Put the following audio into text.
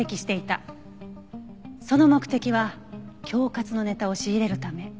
その目的は恐喝のネタを仕入れるため。